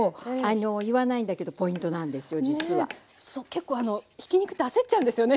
結構ひき肉って焦っちゃうんですよね